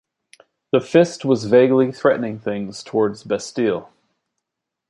The fist was vaguely threatening things towards Bastille.